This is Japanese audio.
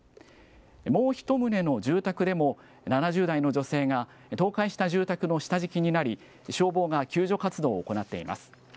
もう１棟の住宅でも、７０代の女性が倒壊した住宅の下敷きになり、消防が救助活動を行っています。